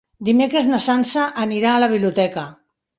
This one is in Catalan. Dimecres na Sança anirà a la biblioteca.